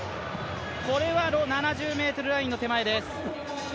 これは７０ｍラインの手前です。